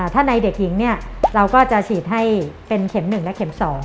ถ้าในเด็กหญิงเนี่ยเราก็จะฉีดให้เป็นเข็ม๑และเข็ม๒